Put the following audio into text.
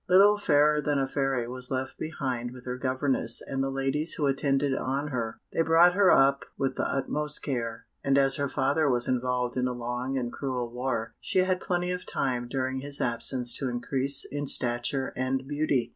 Little Fairer than a Fairy was left behind with her governess and the ladies who attended on her; they brought her up with the utmost care, and as her father was involved in a long and cruel war, she had plenty of time during his absence to increase in stature and beauty.